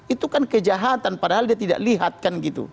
itu kan kejahatan padahal dia tidak lihatkan gitu